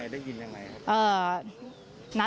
ได้ยินยังไงได้ยินยังไง